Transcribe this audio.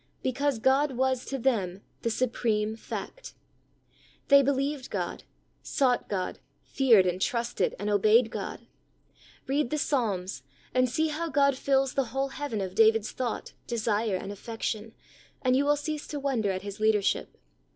Because God was to them the supreme Fact. They believed God, sought God, feared and trusted and obeyed God. Read the Psalms and see how God fills the whole heaven of David's thought, desire and affection, and you will cease to wonder at his leadership.